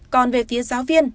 còn về phía giáo viên